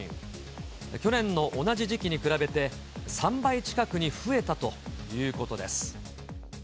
去年の同じ時期に比べて３倍近くに増えたということです。